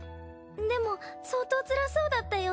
でも相当つらそうだったよ。